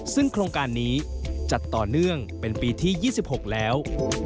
ซึ่งโครงการนี้จัดต่อเนื่องเป็นปีที่๒๖แล้ว